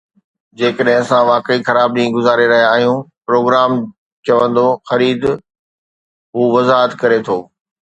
جيڪڏهن اسان واقعي خراب ڏينهن گذاري رهيا آهيون، پروگرام چوندو 'خريد،' هو وضاحت ڪري ٿو